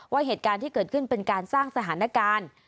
เหตุการณ์ที่เกิดขึ้นเป็นการสร้างสถานการณ์